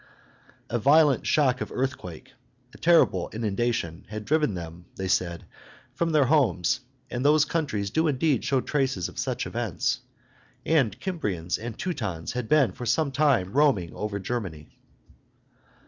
A violent shock of earthquake, a terrible inundation, had driven them, they said, from their homes; and those countries do indeed show traces of such events. And Cimbrians and Teutons had been for some time roaming over Germany.